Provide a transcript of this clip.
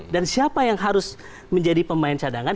dan siapa yang harus menjadi pemain cadangan